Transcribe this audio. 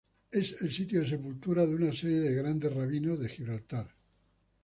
Es el sitio de sepultura de una serie de "Grandes Rabinos" de Gibraltar.